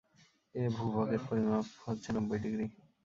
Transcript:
এ ভূ-ভাগের পরিমাপ হচ্ছে নব্বই ডিগ্রী।